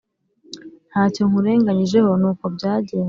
Nta cyo nkurenganyijeho ni ko byagenze